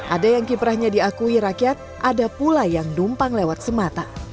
ada yang kiprahnya diakui rakyat ada pula yang numpang lewat semata